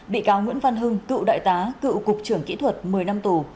bị cáo nguyễn văn hưng cựu đại tá cựu cục trưởng kỹ thuật một mươi năm tù